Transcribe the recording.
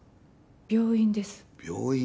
病院です病院？